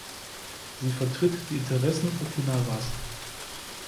Sie vertritt die Interessen Okinawas.